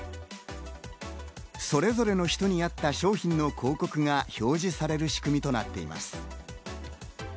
それぞれの人に合った商品の広告が表示される仕組みとなっています。